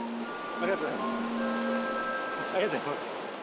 ありがとうございます。